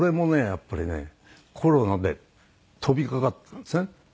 やっぱりねコロナで飛びかかったんですね。